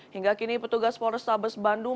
hingga kini petugas polrestabes bandung